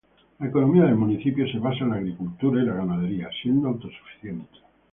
La economía del municipio se basa en la agricultura y la ganadería, siendo autosuficiente.